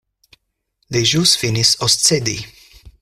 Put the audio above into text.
Li ĵus finis oscedi.